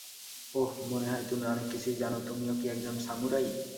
ওহ, মনে হয় তুমি অনেক কিছুই জানো, তুমিও কি একজন সামুরাই?